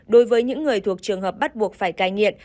đối với những người thuộc trường hợp bắt buộc phải cai nghiện